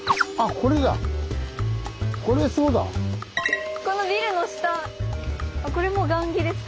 これも雁木ですか。